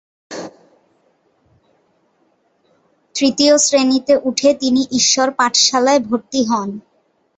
তৃতীয় শ্রেণিতে উঠে তিনি ঈশ্বর পাঠশালায় ভর্তি হন।